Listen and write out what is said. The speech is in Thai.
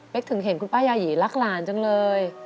เป็นถึงเห็นคุณป้ายาหยีรักหลานจังเลย